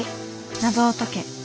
「謎を解け」。